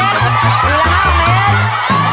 ๓นาทีนะคะ